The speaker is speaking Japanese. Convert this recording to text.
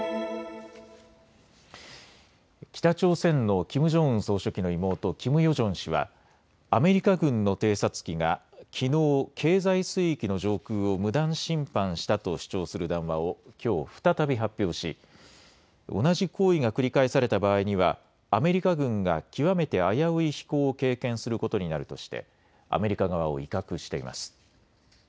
北朝鮮のキム・ジョンウン総書記の妹、キム・ヨジョン氏はアメリカ軍の偵察機がきのう経済水域の上空を無断侵犯したと主張する談話をきょう再び発表し同じ行為が繰り返された場合にはアメリカ軍が極めて危うい飛行を経験することになるとしてアメリカ側を威嚇しています。